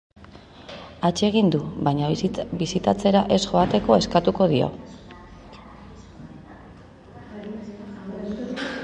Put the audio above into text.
Atsegin du, baina bisitatzera ez joateko eskatuko dio.